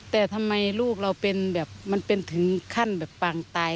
แต่ทำไมลูกเราเป็นแบบมันเป็นถึงขั้นแบบปางตาย